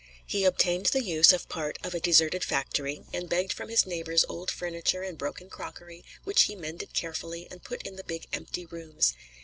He obtained the use of part of a deserted factory, and begged from his neighbors old furniture and broken crockery, which he mended carefully, and put in the big empty rooms.